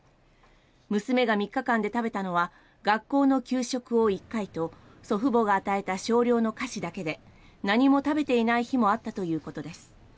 娘が３日間で食べたのは学校の給食を１回と祖父母が与えた少量の菓子だけで何も食べていない日もあったということです。